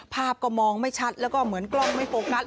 ภาพก็มองไม่ชัดแล้วก็เหมือนกล้องไม่โฟกัส